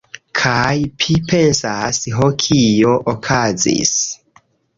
Kaj pi pensas, ho, kio okazis?